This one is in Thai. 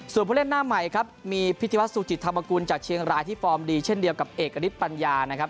ส่วนผู้เล่นหน้าใหม่ครับมีพิธีวัฒนสุจิตธรรมกุลจากเชียงรายที่ฟอร์มดีเช่นเดียวกับเอกณิตปัญญานะครับ